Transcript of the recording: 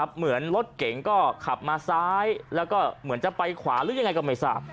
เหมือนรถเก๋งก็ขับมาซ้ายแล้วก็เหมือนจะไปขวาหรือยังไงก็ไม่ทราบ